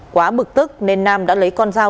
quá bực tức nên nam đã lấy con dao